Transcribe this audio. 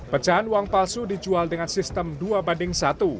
pecahan uang palsu dijual dengan sistem dua banding satu